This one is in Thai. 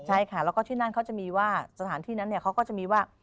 ใช่ค่ะแล้วก็ที่นั่นเขาจะมีว่าสถานที่นั้นเขาก็จะมีว่า